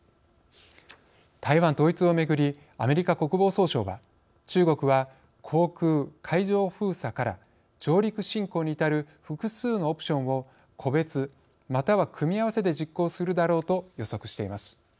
台湾統一をめぐりアメリカ国防総省は中国は、航空・海上封鎖から上陸侵攻に至る複数のオプションを個別または組み合わせて実行するだろうと予測しています。